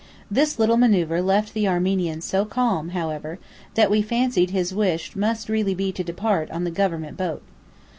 This little manoeuvre left the Armenian so calm, however, that we fancied his wish must really be to depart on the government boat.